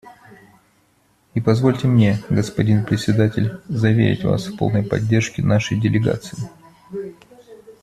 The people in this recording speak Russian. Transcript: И позвольте мне, господин Председатель, заверить вас в полной поддержке нашей делегации.